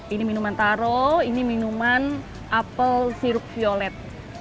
ini minuman taro ini minuman apel sirup violet